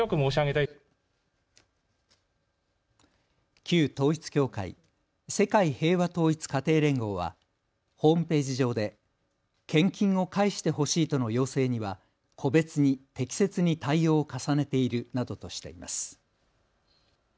旧統一教会、世界平和統一家庭連合はホームページ上で献金を返してほしいとの要請には個別に適切に対応を重ねているなどとしています。